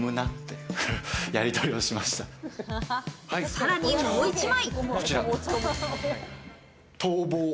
さらにもう一枚。